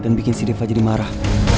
dan bikin si deva jadi marah